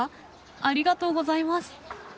ありがとうございます。